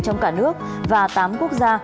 trong cả nước và tám quốc gia